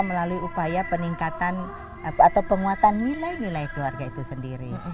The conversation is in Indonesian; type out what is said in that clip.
melalui upaya peningkatan atau penguatan nilai nilai keluarga itu sendiri